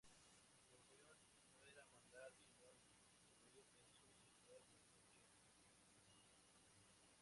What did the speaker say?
Su función no era mandar, sino influir en su sociedad mediante el ejemplo.